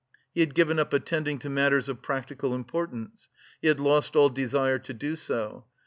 He had given up attending to matters of practical importance; he had lost all desire to do so.